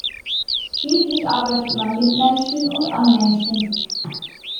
Schließlich arbeitet man mit Menschen und an Menschen.